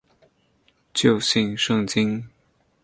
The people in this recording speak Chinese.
旧姓胜津。